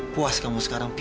puas kamu sekarang pi